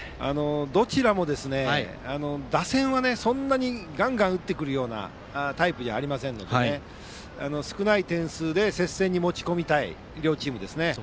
どちらも打線はそんなにガンガン打ってくるようなタイプじゃありませんので少ない点数で接戦に持ち込みたい両チームですね。